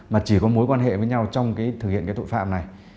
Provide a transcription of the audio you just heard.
mà chỉ có mối quan hệ với nhau trong cái thực hiện cái tội phạm này